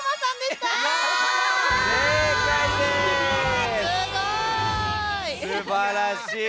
すばらしい！